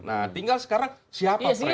nah tinggal sekarang siapa mereka